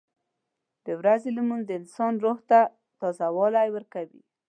• د ورځې لمونځ د انسان روح ته تازهوالی ورکوي.